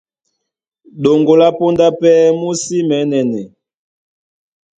Ɗoŋgo lá póndá pɛ́ mú sí mɛ̌nɛnɛ.